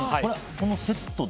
このセットで？